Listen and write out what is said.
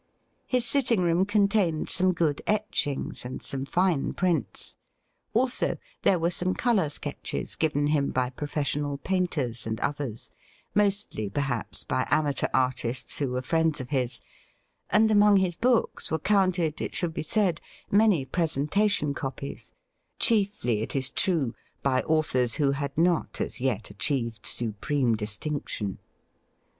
His sitting room contained some good etchings and some fine prints. Also, there were some colour sketches, given him by professional painters and others, mostly, perhaps, by amateur artists who were friends of his, and among his books were counted, it should be said, many presentation copies, chiefly, it is true, by authors who had not as yet achieved supreme distinction.